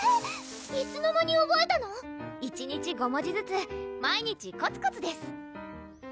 いつの間におぼえたの⁉１日５文字ずつ毎日こつこつです